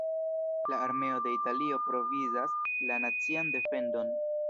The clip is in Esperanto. La armeo de Italio provizas la nacian defendon.